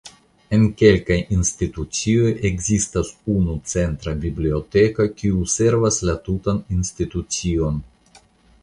En kelkaj institucioj ekzistas unu centra biblioteko kiu servas la tutan institucion.